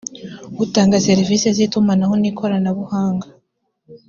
utanga serivisi z’itumanaho n’koranabuhanga